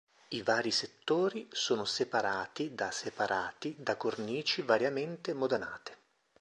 I vari settori sono separati da separati da cornici variamente modanate.